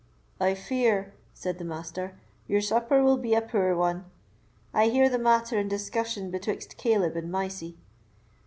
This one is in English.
"I fear," said the Master, "your supper will be a poor one; I hear the matter in discussion betwixt Caleb and Mysie.